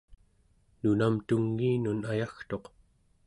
nunam tungiinun ayagtuq